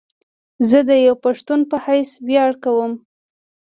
زه ديوه پښتون په حيث وياړ کوم